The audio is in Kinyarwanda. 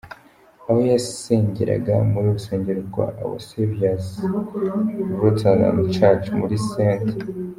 Aho yasengeraga, mu rusengero rwa Our Savior's Lutheran Church muri St.